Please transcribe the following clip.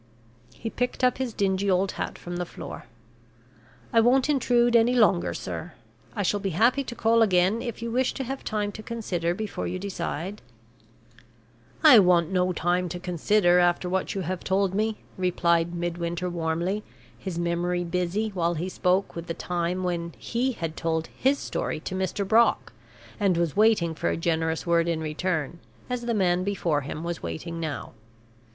He picked up his dingy old hat from the floor. "I won't intrude any longer, sir. I shall be happy to call again if you wish to have time to consider before you decide " "I want no time to consider after what you have told me," replied Midwinter, warmly, his memory busy, while he spoke, with the time when he had told his story to Mr. Brock, and was waiting for a generous word in return, as the man before him was waiting now.